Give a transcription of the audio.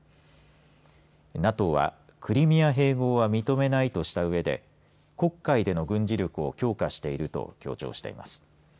ＮＡＴＯはクリミア併合は認めないとしたうえで黒海での軍事力を強化していると強調しています。